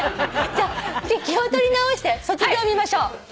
じゃあ気を取り直して「卒業」見ましょう。